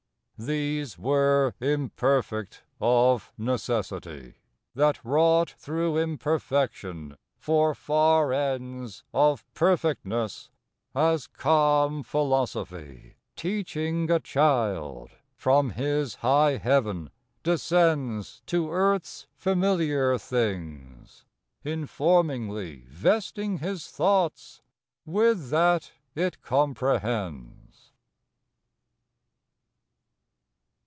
These were imperfect of necessity, That wrought thro' imperfection for far ends Of perfectness As calm philosophy, Teaching a child, from his high heav'n descends To Earth's familiar things; informingly Vesting his thoughts with that it comprehends.